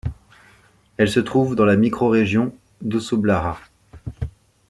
Elle se trouve dans la micro-région d'Osoblaha.